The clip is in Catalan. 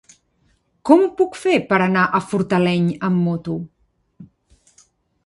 Com ho puc fer per anar a Fortaleny amb moto?